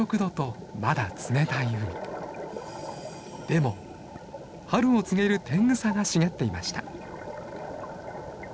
でも春を告げるテングサが茂っていました。